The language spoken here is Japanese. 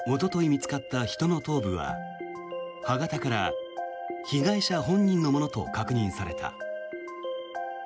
見つかった人の頭部は歯型から被害者本人のものと確認された。